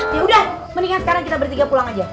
ya udah mendingan sekarang kita bertiga pulang aja